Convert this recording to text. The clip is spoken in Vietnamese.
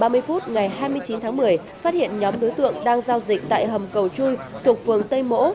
một mươi năm h ba mươi phút ngày hai mươi chín tháng một mươi phát hiện nhóm đối tượng đang giao dịch tại hầm cầu chui thuộc phường tây mỗ